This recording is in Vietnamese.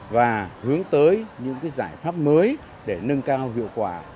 và hướng tới những giải pháp mới để nâng cao hiệu quả